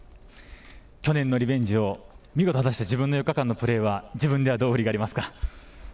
去年のリベンジを見事果たした自分の４日間のプレーは自分ではどう振り返りますか。